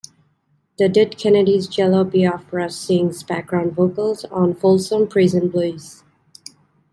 The Dead Kennedys' Jello Biafra sings background vocals on "Folsom Prison Blues".